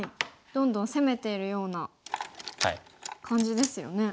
どんどん攻めているような感じですよね。